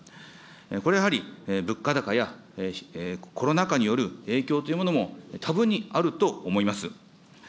これはやはり物価高やコロナ禍による影響というものも多分にあると思います。